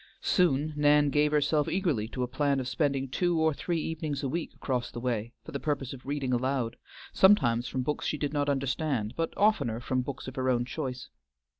Soon Nan gave herself eagerly to a plan of spending two or three evenings a week across the way for the purpose of reading aloud, sometimes from books she did not understand, but oftener from books of her own choice.